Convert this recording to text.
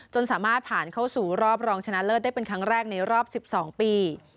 สามารถผ่านเข้าสู่รอบรองชนะเลิศได้เป็นครั้งแรกในรอบ๑๒ปี